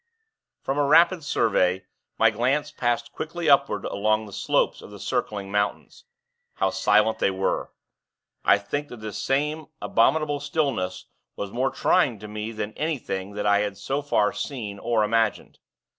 From a rapid survey, my glance passed quickly upward along the slopes of the circling mountains. How silent they were. I think that this same abominable stillness was more trying to me than anything that I had so far seen or imagined.